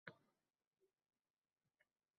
Bo'ri o'rtada qoldi, ya'ni oila a'zolari